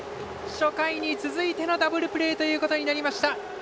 初回に続いてのダブルプレーということになりました。